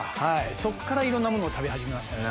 そっからいろんなものを食べ始めましたね。